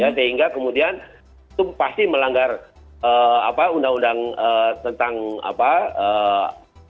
ya sehingga kemudian itu pasti melanggar hmm apa undang undang hmm tentang apa hmm hmm